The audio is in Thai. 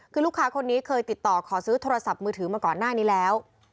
คือลูกค้าคนนี้เคยติดต่อขอซื้อโทรศัพท์มือถือมาก่อนหน้านี้แล้ว